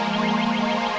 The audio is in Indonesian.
kamu sudah selesai